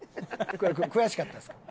悔しかったですか？